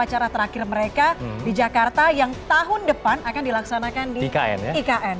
dan ini merupakan upacara terakhir mereka di jakarta yang tahun depan akan dilaksanakan di ikn